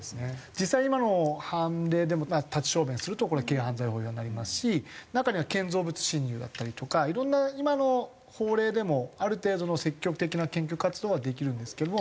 実際今の判例でも立ち小便をするとこれは軽犯罪法違反になりますし中には建造物侵入だったりとかいろんな今の法例でもある程度の積極的な検挙活動はできるんですけども。